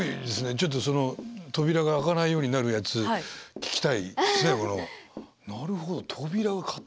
ちょっとその扉が開かないようになるやつ聞きたいですね。